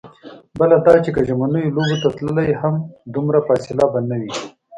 بله دا چې که ژمنیو لوبو ته تللې هم، دومره فاصله به نه وي.